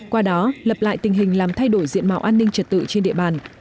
qua đó lập lại tình hình làm thay đổi diện mạo an ninh trật tự trên địa bàn